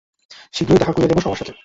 শীঘ্রই দেখা করিয়ে দেবো সবার সাথে।